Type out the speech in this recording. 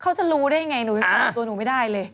เขาจะรู้ได้อย่างไรหนูตัวหนูไม่ได้เลย